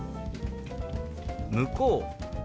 「向こう」。